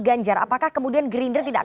ganjar apakah kemudian gerindra tidak